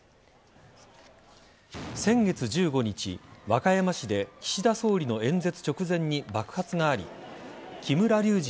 先月１５日和歌山市で岸田総理の演説直前に爆発があり木村隆二